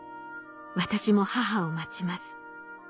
「私も母を待ちます」